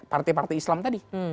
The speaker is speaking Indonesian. parti parti islam tadi